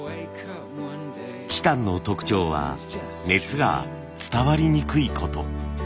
チタンの特徴は熱が伝わりにくいこと。